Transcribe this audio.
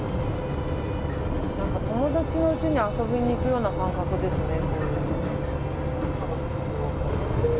何か友達のうちに遊びに行くような感覚ですね。